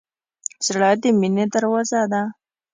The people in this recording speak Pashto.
زړه د مینې دروازه ده.